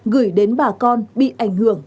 gửi đến bà con bị ảnh hưởng